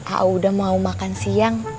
a uda mau makan siang